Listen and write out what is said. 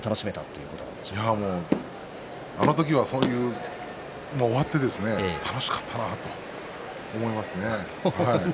あの時は終わって楽しかったなあと思いますね。